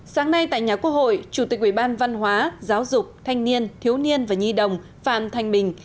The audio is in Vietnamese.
sáng nay tại nhà quốc hội chủ tịch ubv giáo dục thanh niên thiếu niên và nhi đồng phan thanh bình